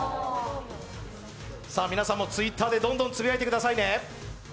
皆さんもＴｗｉｔｔｅｒでどんどんつぶやいてくださいね。